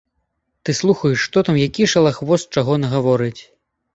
Ты слухаеш, што там які шалахвост чаго нагаворыць.